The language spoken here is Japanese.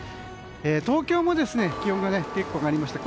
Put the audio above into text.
東京も気温が結構上がりました。